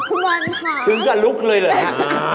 คุณบอลคะถึงจะลุกเลยค่ะเอาละ